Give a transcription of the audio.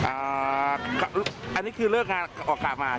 อันนี้คือเลิกงานออกกะมาใช่ไหม